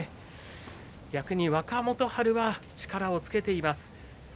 逆に若元春は力をつけています。